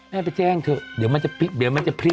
ไปแจ้งเถอะเดี๋ยวมันจะพลิกเดี๋ยวมันจะพลิก